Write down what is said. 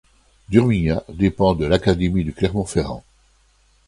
Durmignat dépend de l'académie de Clermont-Ferrand.